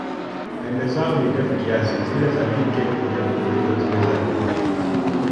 Pembe zao ni ndefu kiasi, zile za jike ndefu kuliko zile za dume.